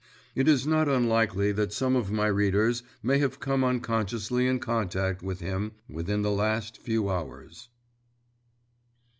It is not unlikely that some of my readers may have come unconsciously in contact with him within the last few hours.